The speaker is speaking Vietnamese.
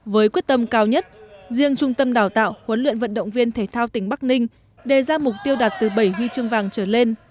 với quyết tâm cao nhất riêng trung tâm đào tạo huấn luyện vận động viên thể thao tỉnh bắc ninh đề ra mục tiêu đạt từ bảy huy chương vàng trở lên